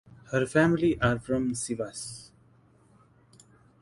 Her family are from Sivas.